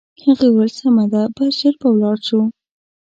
هغې وویل: سمه ده، بس ژر به ولاړ شو.